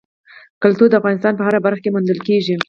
کلتور د افغانستان په هره برخه کې موندل کېږي.